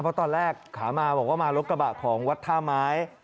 เพราะตอนแรกขามาบอกว่ามารถกระบะของวัดท่าไม้